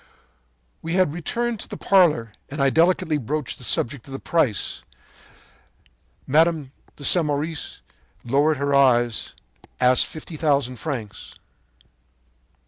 “When we had returned to the parlor I delicately broached the subject of the price. Mme. Samoris, lowering her eyes, asked fifty thousand francs.